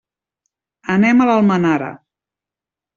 Anem a Almenara.